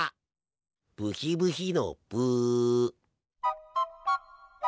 ブヒブヒのブ。